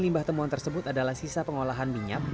limbah temuan tersebut adalah sisa pengolahan minyak